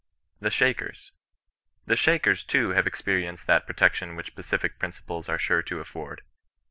THE SHAKERS. " The Shakers, too, have experienced that protection which pacific principles are sure to afford.